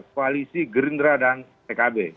koalisi gerindra dan pkb